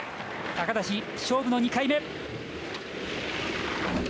高梨、勝負の２回目。